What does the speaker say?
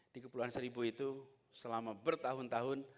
di kepulauan seribu itu selama bertahun tahun